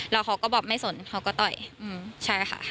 แล้วเขาก็บอกไม่สนเขาก็ต่อยใช่ค่ะ